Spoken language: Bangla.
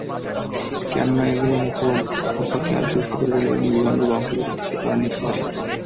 কেননা, এগুলো মুখগহ্বরকে আরও শুষ্ক করে তোলে এবং জীবাণুর বংশবৃদ্ধিকে ত্বরান্বিত করে।